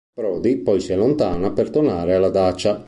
Brody poi si allontana per tornare alla dacia.